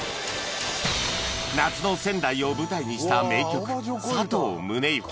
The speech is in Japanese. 夏の仙台を舞台にした名曲さとう宗幸